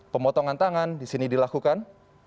pemotongan tangan di sini dilakukan